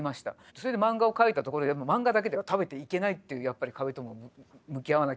それで漫画を描いたところで漫画だけでは食べていけないっていうやっぱり壁とも向き合わなきゃいけない。